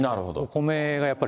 米がやっぱり。